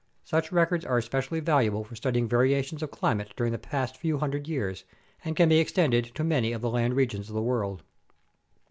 Such records are especially valuable for studying variations of climate during the last few hundred years and can be extended to many of the land regions of the world.